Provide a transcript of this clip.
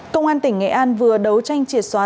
công an tỉnh nghệ an vừa đấu tranh triệt xóa